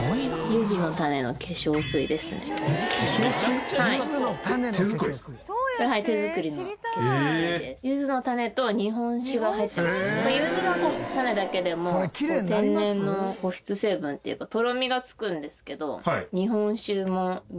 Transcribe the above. ゆずの種だけでも天然の保湿成分っていうかとろみがつくんですけど。